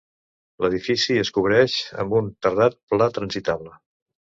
L'edifici es cobreix amb un terrat pla transitable.